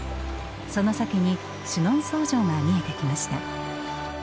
その先にシュノンソー城が見えてきました。